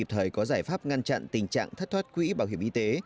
kịp thời có giải pháp ngăn chặn tình trạng thất thoát quỹ bảo hiểm y tế